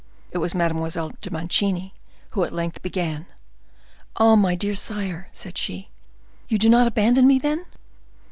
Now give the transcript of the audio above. It was Mademoiselle de Mancini who at length began. "Ah, my dear sire!" said she, "you do not abandon me, then?"